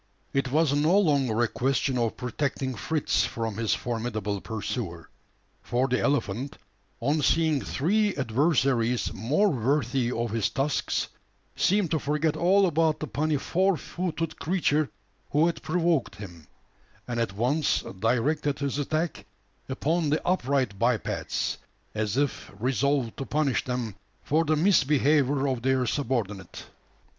It was no longer a question of protecting Fritz from his formidable pursuer; for the elephant, on seeing three adversaries more worthy of his tusks, seemed to forget all about the puny four footed creature who had provoked him; and at once directed his attack upon the upright bipeds as if resolved to punish them for the misbehaviour of their subordinate.